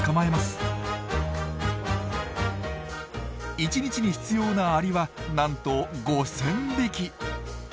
１日に必要なアリはなんと５，０００匹。